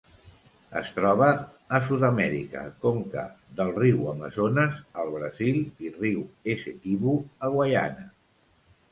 Es troba a Sud-amèrica: conca del riu Amazones al Brasil i riu Essequibo a Guaiana.